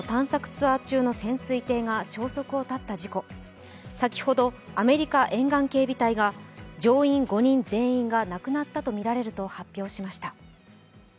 ツアー中の潜水艇が消息を絶った事故、先ほどアメリカ沿岸警備隊が乗員５人全員が亡くなったとみられると発表しました。